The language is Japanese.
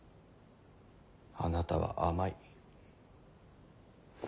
あなたは甘い。